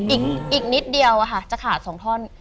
อีกนิดเดียวจะขาด๒ท่อน